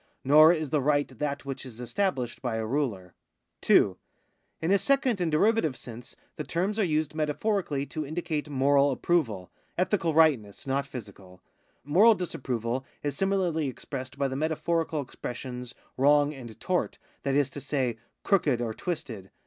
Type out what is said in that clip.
Nor is the right that which is established by a ruler. 2. In a second and derivative sense the terms are used metaphorically to indicate moral approval — ethical Tightness, not physical. Moral dis approval is similarly expressed by the metaphorical expressions wrong and tort, that is to say, crooked or twisted.